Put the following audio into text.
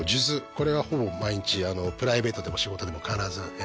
これはほぼ毎日プライベートでも仕事でも必ず着けてます。